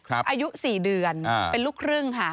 อายุ๔เดือนเป็นลูกครึ่งค่ะ